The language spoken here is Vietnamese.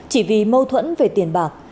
chỉ vì mâu thuẫn về tiền bạc